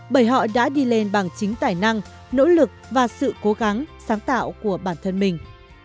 bởi họ đã đi lên bằng chính tài năng nỗ lực và sự cố gắng sáng tạo của bản thân mình